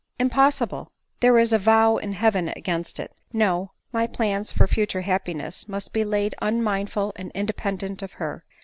" Impossible :— there is a vow in heaven against it. No — my plans for future happiness must be laid unmind ful and independent of her.